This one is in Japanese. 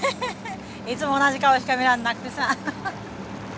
いつも同じ顔しか見らんなくてさ。